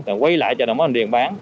rồi quay lại cho đồng hành điện bán